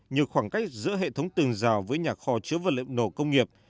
như khoảng cách giữa hệ thống tường rào với nhà kho chứa vật liệu nổ công nghiệp